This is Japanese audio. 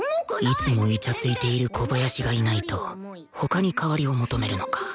いつもイチャついている小林がいないと他に代わりを求めるのか